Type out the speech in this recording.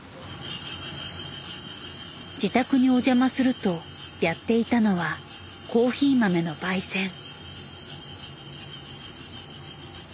自宅にお邪魔するとやっていたのはコーヒー豆の焙煎。